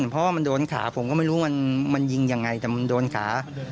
เพราะว่ามันโดนขาผมก็ไม่รู้มันยิงยังไงแต่มันโดนขา